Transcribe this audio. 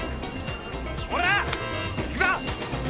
おら行くぞ！